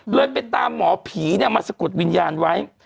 เลยไปตามหมอผีมาสะกดวิญญาณไว้